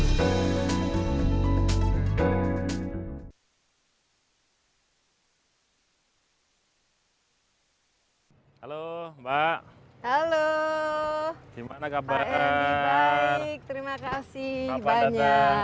kapan datang semarang